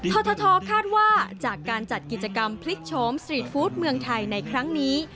ททคาดว่าจากการจัดกิจกรรมพลิกโฉมสตรีทฟู้ดเมืองไทยในครั้งนี้